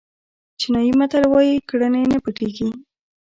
چینایي متل وایي کړنې نه پټېږي.